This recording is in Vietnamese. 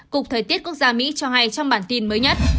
cục thời tiết quốc gia mỹ cho hay trong bản tin mới nhất